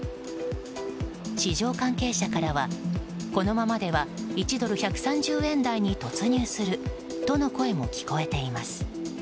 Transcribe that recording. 市場関係者からは、このままでは１ドル＝１３０円台に突入するとの声も聞こえています。